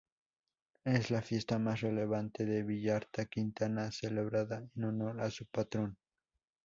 Es la fiesta más relevante de Villarta-Quintana, celebrada en honor a su patrón.